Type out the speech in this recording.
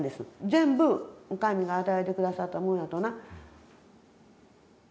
全部神が与えて下さったもんやとな。